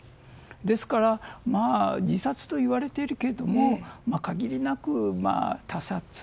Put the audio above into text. ですから自殺といわれているけれども限りなく他殺。